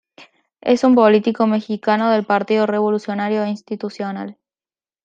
Es un político mexicano del Partido Revolucionario Institucional.